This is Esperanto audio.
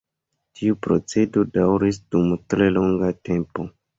Tiu procedo daŭris dum tre longa tempo.